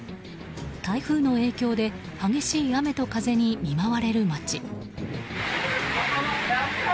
台風の影響で激しい雨と風に見舞われる街。